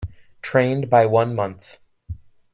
Trained by one month.